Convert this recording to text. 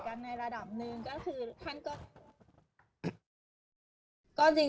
ในระดับหนึ่งก็คือท่านก็จริง